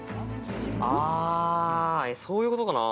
あそういうことかな。